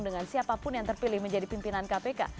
dengan siapapun yang terpilih menjadi pimpinan kpk